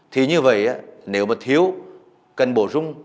thì như vậy nếu mà thiếu cần bổ sung